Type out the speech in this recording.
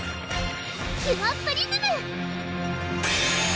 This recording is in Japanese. キュアプリズム！